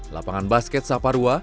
lapangan basket saparwa